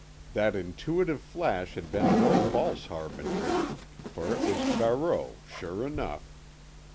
That intuitive flash had been no false harbinger, for it was Barreau sure enough.